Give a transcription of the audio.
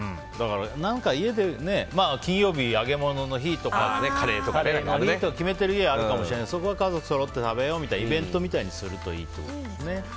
何か、家で金曜日、揚げ物の日とかカレーの日とか決めてる家あるかもしれないけどそこは家族そろって食べようみたいなイベントみたいにするといいということですね。